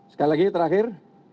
sekali lagi terakhir